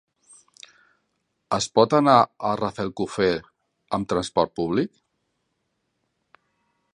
Es pot anar a Rafelcofer amb transport públic?